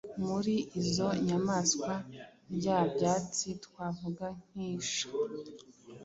Muri izo nyamaswa ndyabyatsi twavuga nk’isha,